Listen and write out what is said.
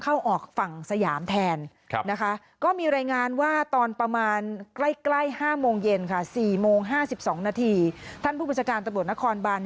บ่าย๔โมง๕๒นาทีท่านผู้บริษัทการตะโบดนครบัน